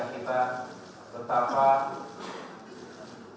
betapa sinergi dan kolaborasi kita